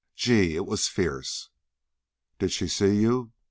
Gee! it was fierce!" "Did she see you?"